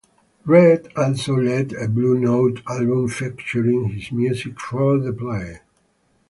Redd also led a Blue Note album featuring his music for the play.